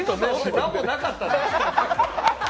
何もなかったよ。